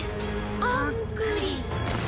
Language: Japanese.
あんぐり。